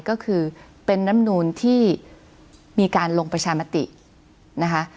ก็คือเป็นน้ำนูนที่มีการลงประชามตินะคะ